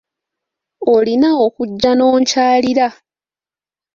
Olina okujja n'onkyalirira.